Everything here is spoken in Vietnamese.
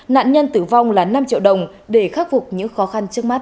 nạn nhân tử vong là năm triệu đồng để khắc phục những khó khăn trước mắt